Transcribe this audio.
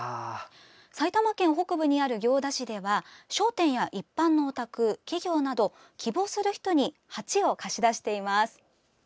埼玉県北部にある行田市では商店や一般のお宅、企業など希望する人に鉢を貸し出しています。